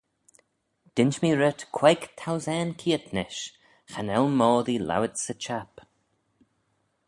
Dinsh mee rhyt queig thousane keayrt nish - cha nel moddee lowit 'sy çhapp.